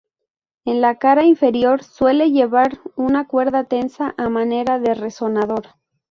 En la cara inferior suele llevar una cuerda tensa a manera de resonador.